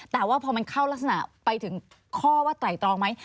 แต่ว่าพอมันเข้ารักษณะไปถึงข้อว่าไตรตรองไหม